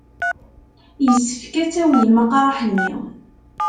Yessefk ad tawyem aqraḥ-nni.